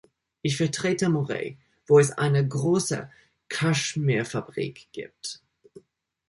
Ich vertrete Moray, wo es eine große Kaschmirfabrik gibt.